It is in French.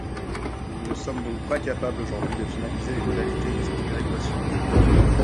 Nous ne sommes donc pas capables aujourd’hui de finaliser les modalités de cette péréquation.